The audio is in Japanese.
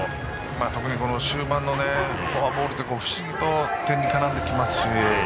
特に終盤のフォアボールは不思議と点に絡んできますし。